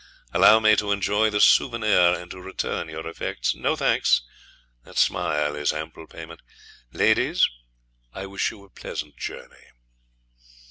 Allow me to enjoy the souvenir and to return your effects. No thanks; that smile is ample payment. Ladies, I wish you a pleasant journey.'